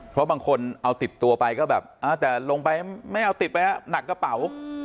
เพราะบางคนเอาติดตัวไปก็แบบแต่ลงไปไม่เอาติดไปหนักกระเป๋า